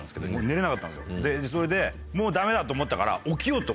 それでもうダメだと思ったから。